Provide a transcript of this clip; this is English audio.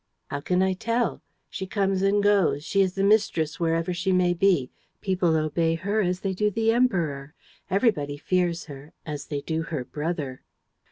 "How can I tell? She comes and goes, she is the mistress wherever she may be. ... People obey her as they do the Emperor. Everybody fears her ... as they do her brother."